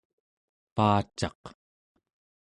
paacaq